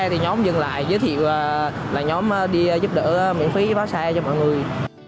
thì nhóm dừng lại giới thiệu là nhóm đi giúp đỡ miễn phí bán xe cho mọi người